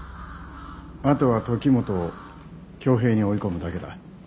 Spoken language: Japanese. あとは時元を挙兵に追い込むだけだ。